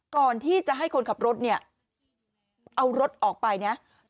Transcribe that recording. ก่อนที่จะให้คนขับรถเนี่ยเอารถออกไปนะ